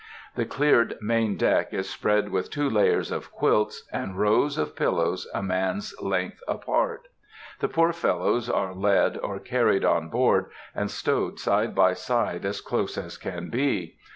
The cleared main deck is spread with two layers of quilts, and rows of pillows a man's length apart.... The poor fellows are led or carried on board, and stowed side by side as close as can be.